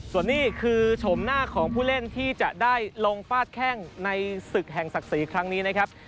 ส่วนนี้คือชมหน้าของผู้เล่นที่จะได้ลงฟาดแข้งในศึกแห่งศักดิ์ศรีครั้งนี้นะครับ